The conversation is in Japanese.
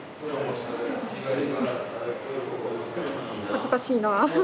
恥ずかしいなあ。